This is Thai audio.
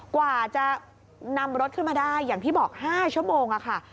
กว่าจะนำรถขึ้นมาได้อย่างที่บอก๕ชั่วโมงค่ะ